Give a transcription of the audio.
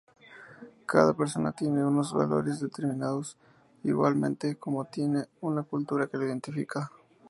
Cada persona tiene unos valores determinados, igualmente como tiene una cultura que lo identifica.